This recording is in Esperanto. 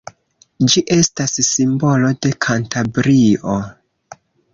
Ĝi estas simbolo de Kantabrio.